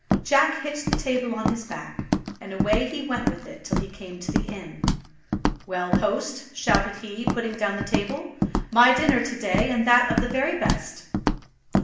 Jack hitched the table on his back, and away he went with it till he came to the inn. "Well, host," shouted he, putting down the table, "my dinner to day, and that of the best."